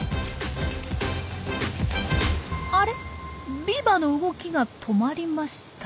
あれビーバーの動きが止まりました。